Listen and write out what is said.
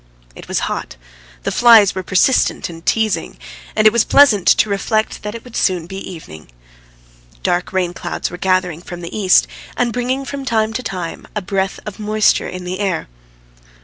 It was hot, the flies were persistent and teasing, and it was pleasant to reflect that it would soon be evening. Dark rainclouds were gathering from the east, and bringing from time to time a breath of moisture in the air.